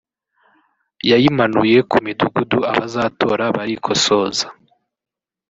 yayimanuye ku midugudu abazatora barikosoza